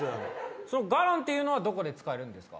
そのガロンというのはどこで使えるんですか？